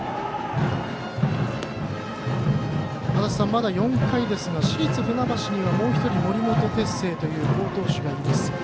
まだ４回ですが市立船橋にはもう１人森本哲星という好投手がいます。